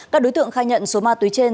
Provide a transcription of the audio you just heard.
các đối tượng khai nhận số ma túy trên